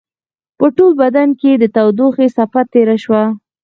په ټول بدن يې د تودوخې څپه تېره شوه.